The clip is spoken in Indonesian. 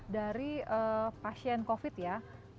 dari pasien covid ya